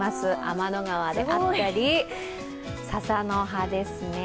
天の川であったり、笹の葉ですね。